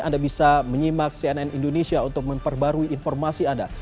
anda bisa menyimak cnn indonesia untuk memperbarui informasi anda